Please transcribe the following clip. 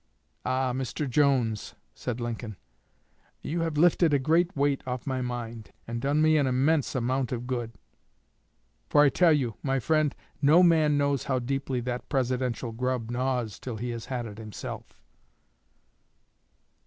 'Ah, Mr. Jones,' said Lincoln, 'you have lifted a great weight off my mind, and done me an immense amount of good; for I tell you, my friend, no man knows how deeply that Presidential grub gnaws till he has had it himself.'"